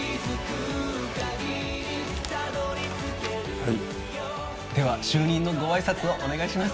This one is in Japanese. はいでは就任のご挨拶をお願いします